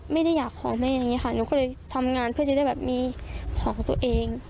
ไม่ได้อยากของแม่อย่างนี้ค่ะหนูก็เลยทำงานเพื่อจะได้แบบมีของตัวเอง